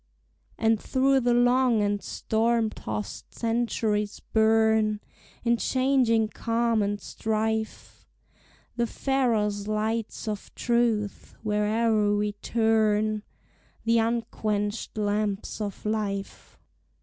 And through the long and storm tost centuries burn In changing calm and strife The Pharos lights of truth, where'er we turn, The unquenched lamps of life.